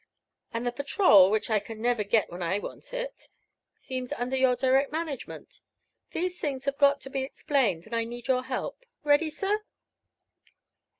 And the patrol, which I never can get when I want it, seems under your direct management. These things have got to be explained, and I need your help. Ready, sir?"